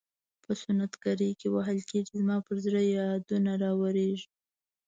په سنت ګرۍ کې وهل کیږي زما پر زړه یادونه راوریږي.